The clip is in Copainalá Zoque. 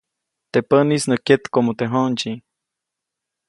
Teʼ päʼnis nä kyetkoʼmu teʼ j̃oʼndsyi.